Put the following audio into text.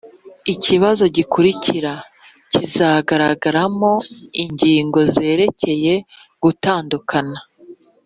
ikibazo gikurikira kizagaragaramo ingingo zerekeye gutandukana